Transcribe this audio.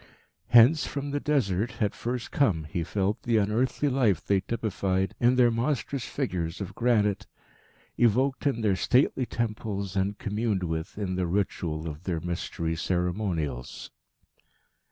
Hence, from the Desert, had first come, he felt, the unearthly life they typified in their monstrous figures of granite, evoked in their stately temples, and communed with in the ritual of their Mystery ceremonials.